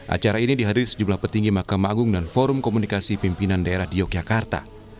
acara ini dihadiri sejumlah petinggi mahkamah agung dan forum komunikasi pimpinan daerah di yogyakarta